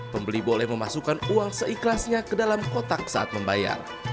pembeli boleh memasukkan uang seikhlasnya ke dalam kotak saat membayar